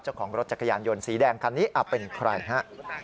เจ้าของรถจักรยานยนต์สีแดงคันนี้เป็นใครฮะ